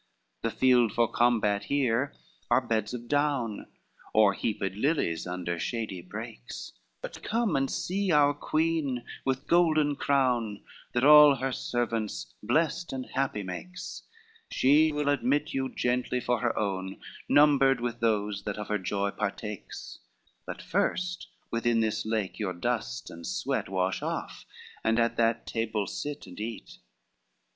LXIV "The fields for combat here are beds of down, Or heaped lilies under shady brakes; But come and see our queen with golden crown, That all her servants blest and happy makes, She will admit you gently for her own, Numbered with those that of her joy partakes: But first within this lake your dust and sweat Wash off, and at that table sit and eat."